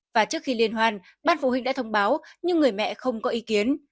và trước khi liên hoan bác phụ huynh đã thông báo nhưng người mẹ không có ý kiến